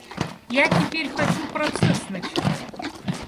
Я теперь хочу процесс начинать.